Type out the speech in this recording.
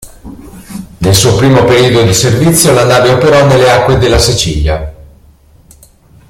Nel suo primo periodo di servizio la nave operò nelle acque della Sicilia.